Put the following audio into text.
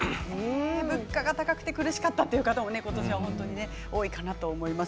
物価が高くて苦しかったという方が今年は多いかなと思います。